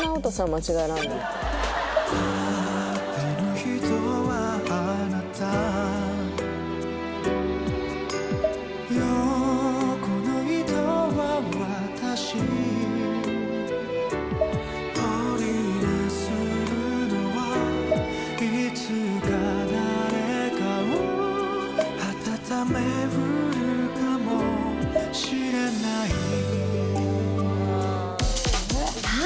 間違えられない縦の糸はあなた横の糸は私織りなす布はいつか誰かを暖めうるかもしれないさあ